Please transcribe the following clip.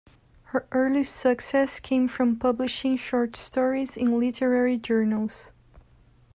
Her early success came from publishing short stories in literary journals.